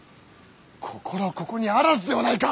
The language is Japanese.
心ここにあらずではないか！